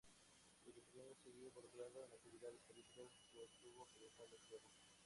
Desde pequeño se vio involucrado en actividades políticas, pues tuvo que dejar la escuela.